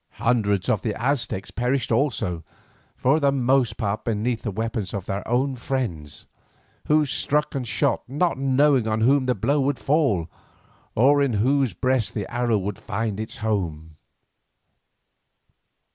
Hundreds of the Aztecs perished also, for the most part beneath the weapons of their own friends, who struck and shot not knowing on whom the blow should fall or in whose breast the arrow would find its home.